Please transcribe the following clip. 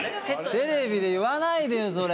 テレビで言わないでよそれ。